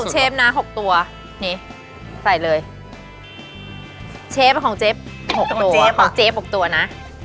เชฟของเจ๊๖ตัวนะ